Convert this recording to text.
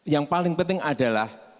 yang paling penting adalah